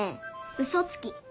うそつき。